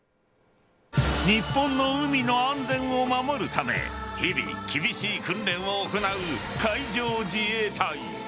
日本の海の安全を守るため日々、厳しい訓練を行う海上自衛隊。